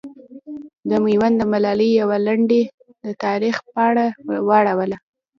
د میوند د ملالې یوه لنډۍ د تاریخ پاڼه واړوله.